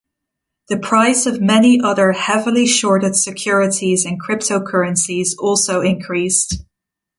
The price of many other heavily shorted securities and cryptocurrencies also increased.